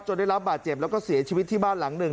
ได้รับบาดเจ็บแล้วก็เสียชีวิตที่บ้านหลังหนึ่ง